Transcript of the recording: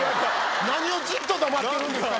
何をじっと黙ってるんですか？